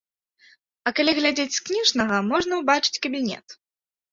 А калі глядзець з кніжнага, можна ўбачыць кабінет.